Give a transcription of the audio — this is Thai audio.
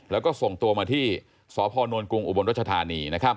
แล้วก็ส่งตัวมาที่สพนกรุงอุบลรัชธานี